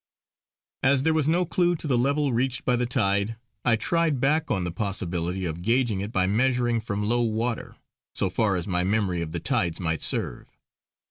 As there was no clue to the level reached by the tide, I tried back on the possibility of gauging it by measuring from low water, so far as my memory of the tides might serve.